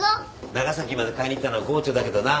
長崎まで買いに行ったのは郷長だけどな。